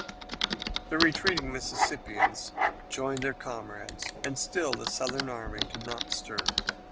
The retreating Mississippians rejoined their comrades, and still the Southern army did not stir.